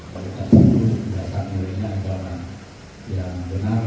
kualitas itu dasarnya ini adalah yang benar